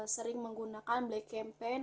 sering menggunakan black campaign